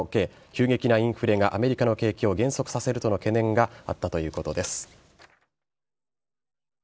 急激なインフレがアメリカの景気を減速させるとの懸念があったということです。